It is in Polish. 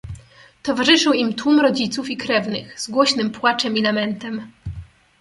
"Towarzyszył im tłum rodziców i krewnych z głośnym płaczem i lamentem."